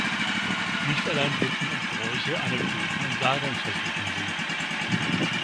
Nicht allein Sitten und Bräuche, Anekdoten und Sagen fesselten sie.